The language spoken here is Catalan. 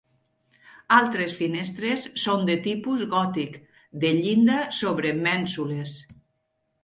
Altres finestres són de tipus gòtic de llinda sobre mènsules.